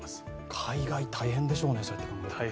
海外、大変でしょうね。